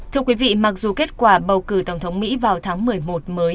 thưa quý vị mặc dù kết quả bầu cử tổng thống mỹ vào tháng một mươi một mới